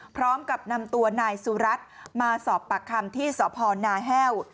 พร้อมกับนำตัวนายสุรัตน์มาสอบปากคำที่สพนาแห้ว